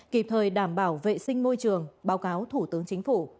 kịp thời đảm bảo vệ sinh môi trường báo cáo thủ tướng chính phủ